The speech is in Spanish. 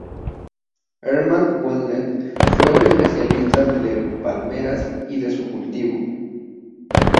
Hermann Wendland fue un especialista de palmeras y de su cultivo.